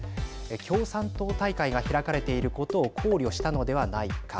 共産党大会が開かれていることを考慮したのではないか。